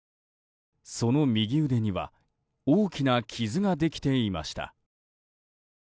その右腕には大きな傷ができていました。